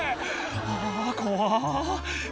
「あぁ怖っ」